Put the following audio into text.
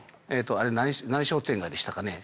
あれ何商店街でしたかね。